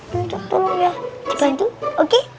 minta tolong ya dibantu oke